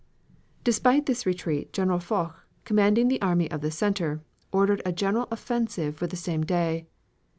Despite this retreat General Foch, commanding the army of the center, ordered a general offensive for the same day.